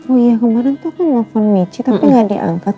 oh iya kemarin tuh kan nelfon michi tapi nggak diangkat